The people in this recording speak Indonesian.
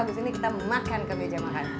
disini kita makan ke meja makan